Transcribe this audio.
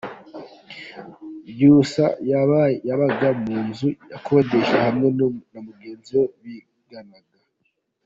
Byusa yabaga mu nzu yakodesha hamwe na mugenzi we biganaga.